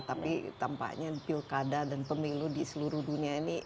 tapi tampaknya di pilkada dan pemilu di seluruh dunia ini